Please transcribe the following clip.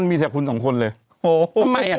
ไม่ค่อยไม่ค่อยไป